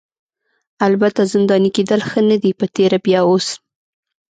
البته زنداني کیدل ښه نه دي په تېره بیا اوس.